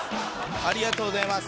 ありがとうございます。